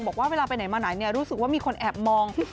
บอกว่าเวลาไปไหนมาไหนรู้สึกว่ามีคนแอบมอง